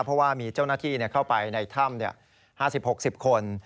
เพราะว่ามีเจ้าหน้าที่เข้าไปในถ้ำ๕๐๖๐คน